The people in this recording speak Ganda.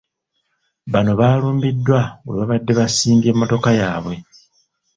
Bano baalumbiddwa we baabadde baasimbye mmotoka yaabwe.